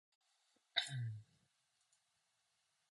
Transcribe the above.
그들은 장차 새어 오려는 동 편 하늘을 바라보면서 다시금 굳은 결심을 하였다.